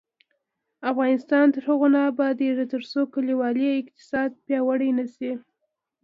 افغانستان تر هغو نه ابادیږي، ترڅو کلیوالي اقتصاد پیاوړی نشي.